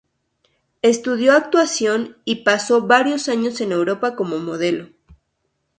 Estudió actuación y pasó varios años en Europa como modelo.